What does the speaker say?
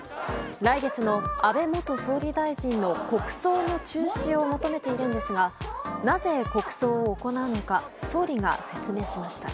来月の安倍元総理大臣の国葬の中止を求めているんですがなぜ国葬を行うのか総理が説明しました。